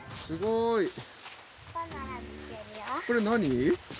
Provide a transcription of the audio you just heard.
すごい。